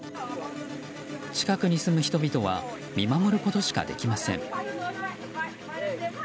近くに住む人々は見守ることしかできません。